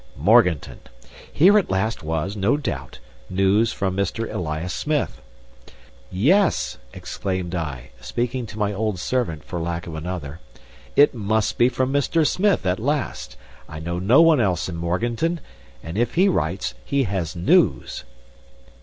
Morganton! Here at last was, no doubt, news from Mr. Elias Smith. "Yes!" exclaimed I, speaking to my old servant, for lack of another, "it must be from Mr. Smith at last. I know no one else in Morganton. And if he writes he has news!"